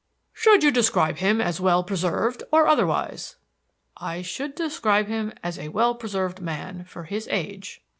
"Should you describe him as well preserved or otherwise?" "I should describe him as a well preserved man for his age."